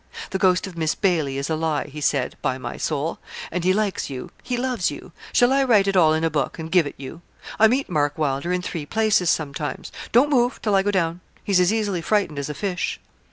The ghost of Miss Baily is a lie, he said, by my soul; and he likes you he loves you. Shall I write it all in a book, and give it you? I meet Mark Wylder in three places sometimes. Don't move, till I go down; he's as easily frightened as a fish.'